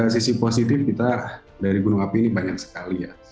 sisi positif kita dari gunung api ini banyak sekali